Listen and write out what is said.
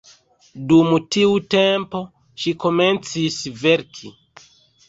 Dum tiu tempo ŝi komencis verki.